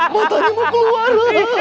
matanya mau keluar